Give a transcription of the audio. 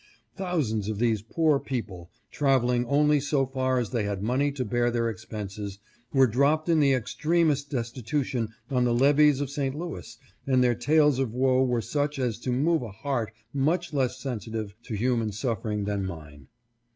Thousands of these poor people, traveling only so far as they had money to bear their expenses, were dropped in the extremest destitution on the levees of St. Louis, and their tales of woe were such as to move a heart much less sensitive to human suffering than mine.